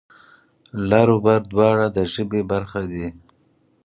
لر و بر دواړه د ژبې برخه دي.